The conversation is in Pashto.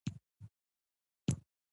پښتو زموږ د هویت ژبه ده.